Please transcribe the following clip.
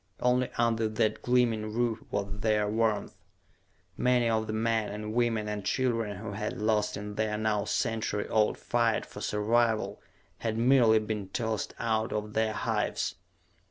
Only under that gleaming roof was there warmth. Many of the men, and women, and children who had lost in the now century old fight for survival had merely been tossed out of the hives.